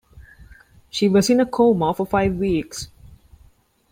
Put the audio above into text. She was in a coma for five weeks.